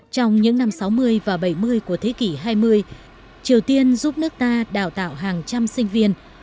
trong những năm sáu mươi và bảy mươi của thế kỷ hai mươi triều tiên giúp nước ta đào tạo hàng trăm sinh viên